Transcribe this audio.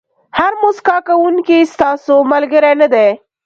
هر موسکا کوونکی ستاسو ملګری نه دی.